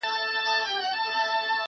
پر ما تور د میني تور دی لګېدلی تورن نه یم،